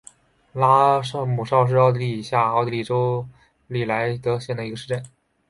拉姆绍是奥地利下奥地利州利林费尔德县的一个市镇。